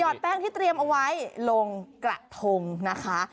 แป้งที่เตรียมเอาไว้ลงกระทงนะคะ